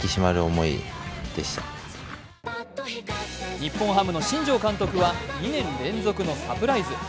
日本ハムの新庄監督は２年連続のサプライズ。